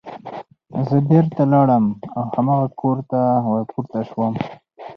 زه بېرته لاړم او هماغه کور ته ور پورته شوم